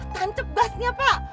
tancap gasnya pak